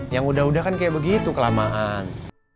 yang udah udah kan kayak begitu kelamaan